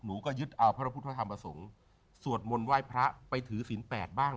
หนูก็ยึดเอาพระพุทธธรรมประสงค์สวดมนต์ไหว้พระไปถือศีลแปดบ้าง